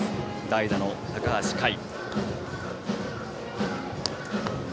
代打の高橋快。